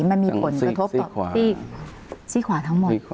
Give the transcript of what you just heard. มันมีผลกระทบต่อซี่ขวาทั้งหมด